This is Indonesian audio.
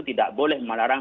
tidak boleh melarang